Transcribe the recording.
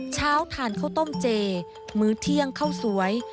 เช้าทานข้าวต้มเจมื้อเที่ยงข้าวสวย